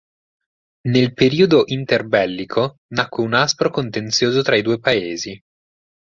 Nel periodo interbellico nacque un aspro contenzioso tra i due Paesi.